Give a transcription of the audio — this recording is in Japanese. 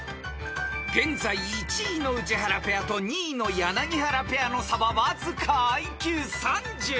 ［現在１位の宇治原ペアと２位の柳原ペアの差はわずかＩＱ３０］